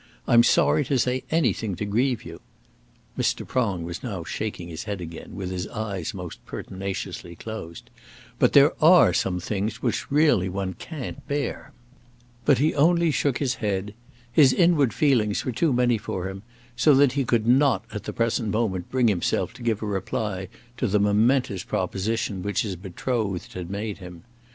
I'm sorry to say anything to grieve you, " Mr. Prong was now shaking his head again, with his eyes most pertinaciously closed, "but there are some things which really one can't bear." But he only shook his head. His inward feelings were too many for him, so that he could not at the present moment bring himself to give a reply to the momentous proposition which his betrothed had made him.